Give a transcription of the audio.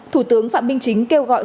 thủ tướng phạm minh chính kêu gọi